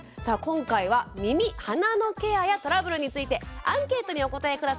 さあ今回は耳・鼻のケアやトラブルについてアンケートにお答え